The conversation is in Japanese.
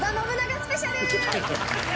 スペシャル！